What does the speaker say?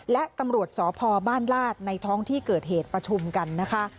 และตำรวจสพบ้านลาดในท้องที่เกิดเหตุประชุมกันนะคะ